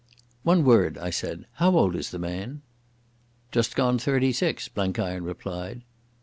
"One word," I said. "How old is the man?" "Just gone thirty six," Blenkiron replied.